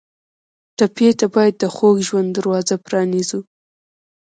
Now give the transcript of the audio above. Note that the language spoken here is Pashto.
ټپي ته باید د خوږ ژوند دروازه پرانیزو.